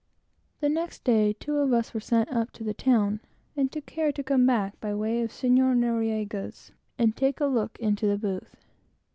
The next day, two of us were sent up to the town, and took care to come back by way of Capitan Noriego's and take a look into the booth.